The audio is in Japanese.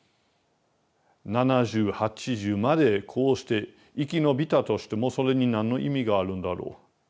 ７０８０までこうして生き延びたとしてもそれに何の意味があるんだろう。